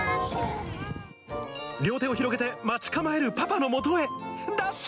両手を広げて待ち構えるパパのもとへ。